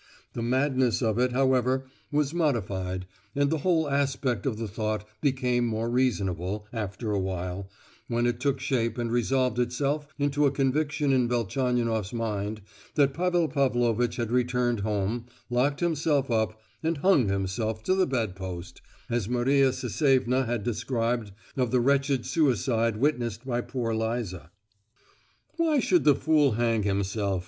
The madness of it, however, was modified, and the whole aspect of the thought became more reasonable, after a while, when it took shape and resolved itself into a conviction in Velchaninoff's mind that Pavel Pavlovitch had returned home, locked himself up, and hung himself to the bedpost, as Maria Sisevna had described of the wretched suicide witnessed by poor Liza. "Why should the fool hang himself?"